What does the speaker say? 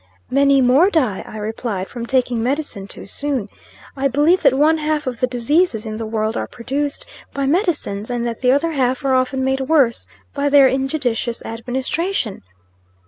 "Many more die," I replied, "from taking medicine too soon. I believe that one half of the diseases in the world are produced by medicines, and that the other half are often made worse by their injudicious administration."